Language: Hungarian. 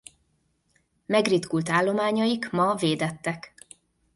Megritkult állományaik ma védettek.